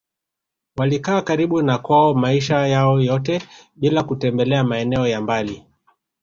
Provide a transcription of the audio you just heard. Walikaa karibu na kwao maisha yao yote bila kutembelea maeneo ya mbali